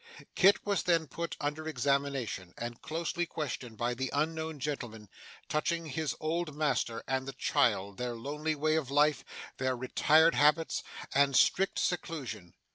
Kit was then put under examination and closely questioned by the unknown gentleman, touching his old master and the child, their lonely way of life, their retired habits, and strict seclusion.